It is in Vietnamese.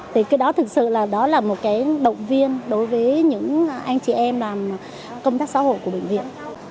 thì cái đó thực sự là đó là một cái động viên đối với những anh chị em làm công tác xã hội của bệnh viện